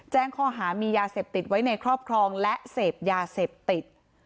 แจ้งข้อหามียาเสพติดไว้ในครอบครองและเสพยาเสพติด